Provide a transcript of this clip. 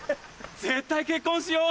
絶対結婚しよう。